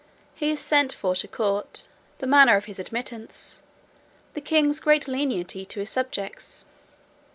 He is sent for to court. The manner of his admittance. The king's great lenity to his subjects.